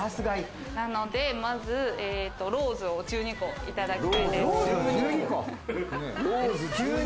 まずローズを１２個いただきたいです。